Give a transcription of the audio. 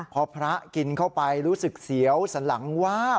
พอพระกินเข้าไปรู้สึกเสียวสันหลังวาบ